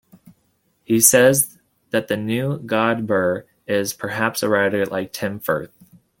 He says that the "new Godber" is perhaps a writer like Tim Firth.